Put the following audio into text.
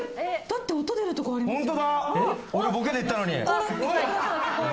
だって音出るとこありますよ。